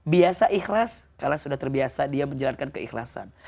biasa ikhlas kalau sudah terbiasa dia menjalankan keikhlasan